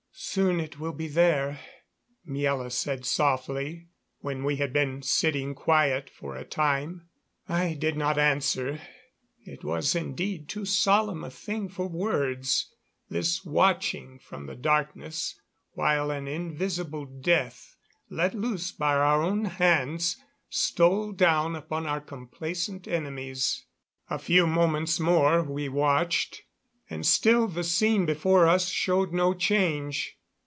"Soon it will be there," Miela said softly, when we had been sitting quiet for a time. I did not answer. It was indeed too solemn a thing for words, this watching from the darkness while an invisible death, let loose by our own hands, stole down upon our complacent enemies. A few moments more we watched and still the scene before us showed no change.